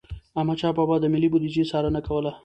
احمدشاه بابا به د ملي بوديجي څارنه کوله.